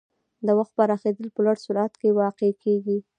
د وخت پراخېدل په لوړ سرعت کې واقع کېږي.